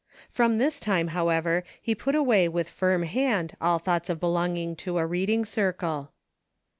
From this time, however, he put away with firm hand all thoughts of belonging to a reading circle.